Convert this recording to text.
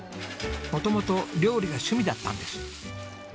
元々料理が趣味だったんです。